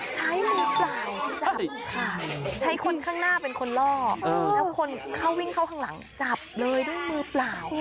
ใช้มือเปล่าจับค่ะใช้คนข้างหน้าเป็นคนล่อแล้วคนเข้าวิ่งเข้าข้างหลังจับเลยด้วยมือเปล่า